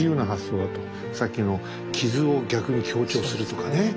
さっきの傷を逆に強調するとかね。